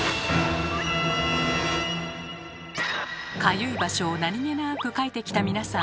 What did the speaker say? かゆい場所を何気なくかいてきた皆さん。